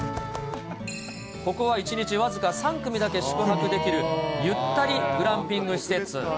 ここは１日僅か３組だけ宿泊できる、ゆったりグランピング施設。